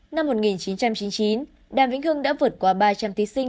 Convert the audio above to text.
năm một nghìn chín trăm chín mươi chín đàm vĩnh hưng đã vượt qua ba trăm linh thí sinh